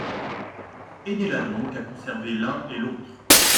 Aidez-la donc à conserver l’un et l’autre.